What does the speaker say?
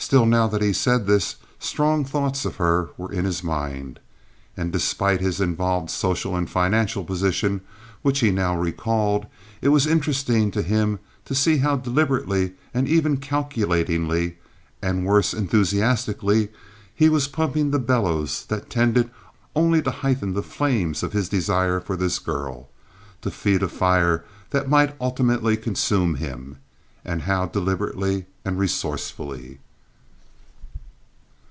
Still, now that he had said this, strong thoughts of her were in his mind. And despite his involved social and financial position, which he now recalled, it was interesting to him to see how deliberately and even calculatingly—and worse, enthusiastically—he was pumping the bellows that tended only to heighten the flames of his desire for this girl; to feed a fire that might ultimately consume him—and how deliberately and resourcefully!